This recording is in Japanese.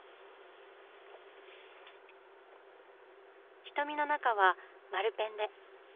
瞳の中は丸ペンで。